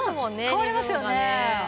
変わりますよね。